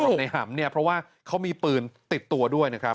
กับในหำเนี่ยเพราะว่าเขามีปืนติดตัวด้วยนะครับ